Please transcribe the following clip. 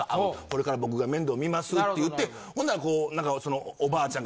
「これから僕が面倒見ます」って言ってほんならこう。